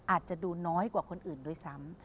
อาจจะดูน้อยกว่าคนอื่นด้วยซ้ำ